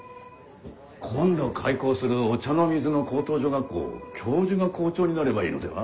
今度開校する御茶ノ水の高等女学校教授が校長になればいいのでは？